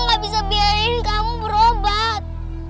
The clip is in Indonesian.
gak bisa biarin kamu berobat